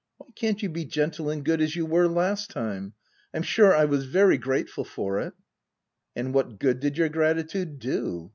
Why can't you be gentle and good as you were last time ?— I'm sure I was very grateful for it." " And what good did your gratitude do